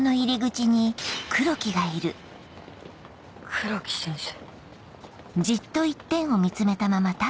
黒木先生。